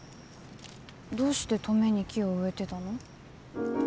どうして登米に木を植えてたの？